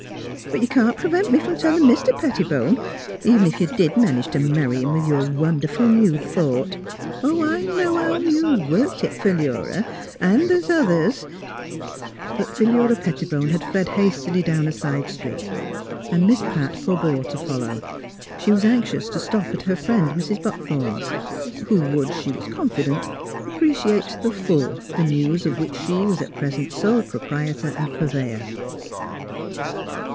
But you can't prevent me from tellin' Mr. Pettibone, even if you did manage t' marry him, with your wonderful MISS PHILURA'S BABY 341 neiv thought. Oh, I know how you worked it, Philura; and th's others " But Philura Pettibone had fled hastily down a side street, and Miss Pratt forbore to follow. She was anxious to stop at her friend, Mrs. Buck thorn's, who would, she was confident, appreciate to the full the news of which she was at present sole proprietor and purveyor.